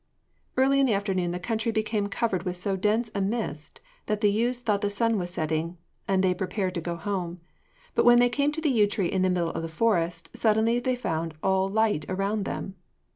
Early in the afternoon the country became covered with so dense a mist that the youths thought the sun was setting, and they prepared to go home; but when they came to the yew tree in the middle of the forest, suddenly they found all light around them.